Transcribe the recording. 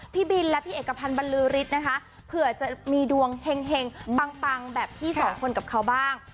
พี่บินและพี่เอกพันธ์บรรลือฤทธิ์นะคะเผื่อจะมีดวงเห็งปังแบบพี่สองคนกับเขาบ้าง